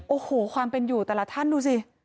โอ้โหความเป็นอยู่แต่ละท่านดูสิ